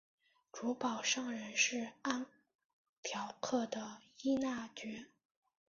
主保圣人是安条克的依纳爵。